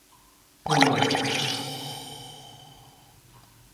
Malietoa in the Tongan language means strength and courage.